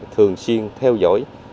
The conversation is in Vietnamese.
thường xuyên theo dõi